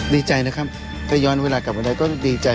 ดีใจนะครับถ้าย้อนเวลากลับมาได้ก็ดีใจ